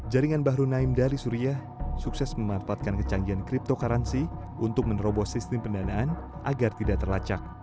jaringan bahru naim dari suriah sukses memanfaatkan kecanggihan cryptocurrency untuk menerobos sistem pendanaan agar tidak terlacak